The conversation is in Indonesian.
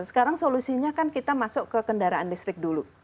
sekarang solusinya kan kita masuk ke kendaraan listrik dulu